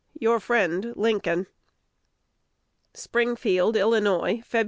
Your friend, Lincoln. Springfield, Ill., Feb.